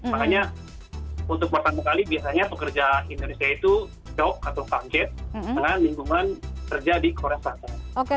makanya untuk pertama kali biasanya pekerja indonesia itu shock atau kaget dengan lingkungan kerja di korea selatan